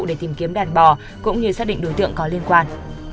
để tìm kiếm đàn bò cũng như xác định đối tượng có liên quan